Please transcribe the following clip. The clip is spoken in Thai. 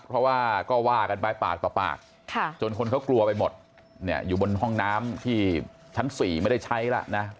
เพราะว่าก็ว่ากันไปปากต่อปากจนคนเขากลัวไปหมดเนี่ยอยู่บนห้องน้ำที่ชั้น๔ไม่ได้ใช้แล้วนะ